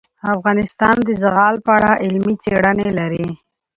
افغانستان د زغال په اړه علمي څېړنې لري.